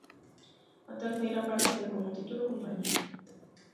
A terceira parte ten como título "Compañía".